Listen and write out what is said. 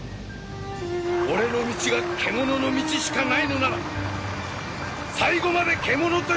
俺の道が獣の道しかないのなら最後まで獣として生きてやる！